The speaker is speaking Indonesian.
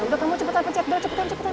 udah kamu cepetan pencet udah cepetan cepetan